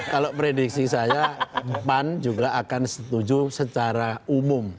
kalau prediksi saya pan juga akan setuju secara umum